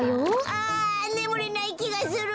あねむれないきがする！